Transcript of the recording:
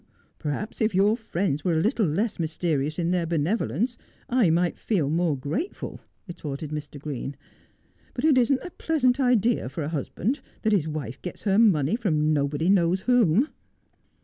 ' Perhaps if your friends were a little less mysterious in their benevolence I might feel more gratefuL' retorted ^Ir. Green. ' But it isn't a pleasant idea for a husband that his wife gets her money from nobody knows whom.'